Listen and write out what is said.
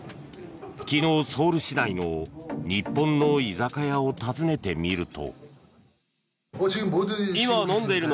昨日、ソウル市内の日本の居酒屋を訪ねてみると。